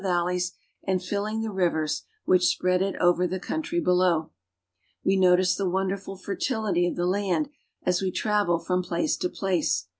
valleys and filling the rivers which spread it over the coun I try below. We notice the wonderful fertility of the land as we ^travel from place to place.